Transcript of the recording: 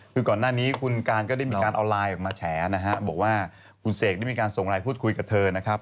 คือก่อนหน้านี้คุณการก็ได้มีการเอาไลน์ออกมาแฉนะฮะบอกว่าคุณเสกได้มีการส่งไลน์พูดคุยกับเธอนะครับ